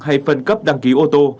hay phân cấp đăng ký ô tô